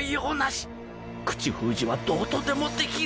口封じはどうとでもできる